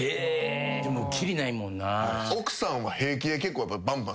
でも切りないもんな。